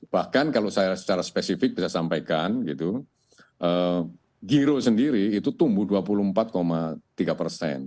bahkan kalau saya secara spesifik bisa sampaikan gitu giro sendiri itu tumbuh dua puluh empat tiga persen